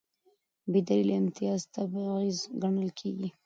بېدلیله امتیاز تبعیض ګڼل کېږي.